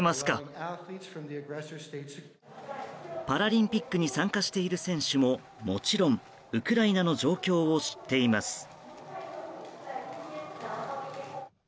パラリンピックに参加している選手も、もちろんウクライナの状況を知っています。